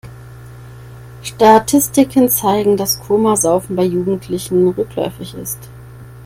Statistiken zeigen, dass Komasaufen bei Jugendlichen rückläufig ist.